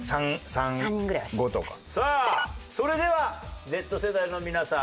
さあそれではＺ世代の皆さん